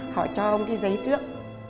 họ cho ông cái giấy trước